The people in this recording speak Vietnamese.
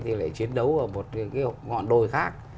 thì lại chiến đấu ở một ngọn đồi khác